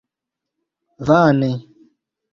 Vane!